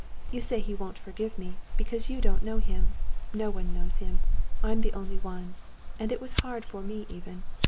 You say he won't forgive me, because you don't know him. No one knows him. I'm the only one, and it was hard for me even.